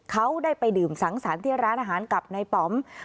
เขาได้ไปดื่มสังสรรค์ที่ร้านอาหารกับนายป๋อม